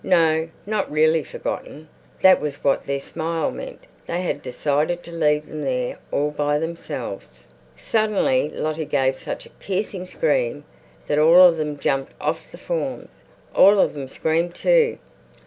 No, not really forgotten. That was what their smile meant. They had decided to leave them there all by themselves. Suddenly Lottie gave such a piercing scream that all of them jumped off the forms, all of them screamed too.